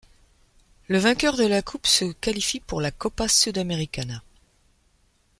Le vainqueur de la Coupe se qualifie pour la Copa Sudamericana.